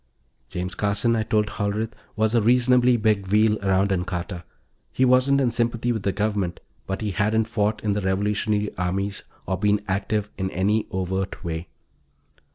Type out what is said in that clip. James Carson, I told Hollerith, was a reasonably big wheel around Ancarta. He wasn't in sympathy with the Government, but he hadn't fought in the revolutionary armies or been active in any overt way.